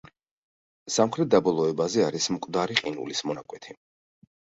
სამხრეთ დაბოლოებაზე არის მკვდარი ყინულის მონაკვეთი.